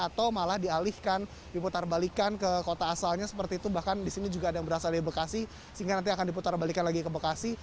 atau malah dialihkan diputar balikan ke kota asalnya seperti itu bahkan di sini juga ada yang berasal dari bekasi sehingga nanti akan diputar balikan lagi ke bekasi